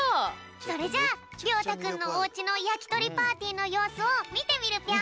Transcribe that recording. それじゃありょうたくんのおうちのやきとりパーティーのようすをみてみるぴょん！